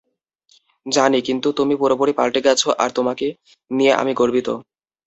জানি, কিন্তু তুমি পুরোপুরি পালটে গেছ, আর তোমায় নিয়ে আমি গর্বিত।